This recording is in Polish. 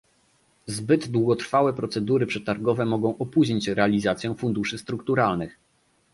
Zbyt długotrwałe procedury przetargowe mogą opóźnić realizację funduszy strukturalnych